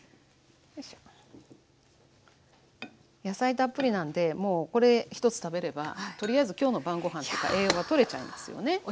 野菜たっぷりなんでもうこれ一つ食べればとりあえず今日の晩ごはんとか栄養がとれちゃいますよね。